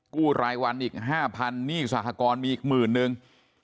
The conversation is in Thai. กู้รายวันอีก๕๐๐๐นี่สาธารณะมีอีก๑๐๐๐๐นึง